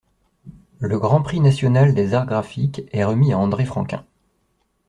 Le Grand prix national des arts graphiques est remis à André Franquin.